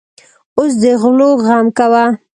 اوس د غلو غم کوه.